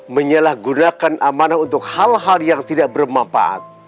menyalahgunakan amanah untuk hal hal yang tidak bermanfaat